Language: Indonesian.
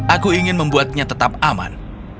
aku ingin membuatnya tetap aman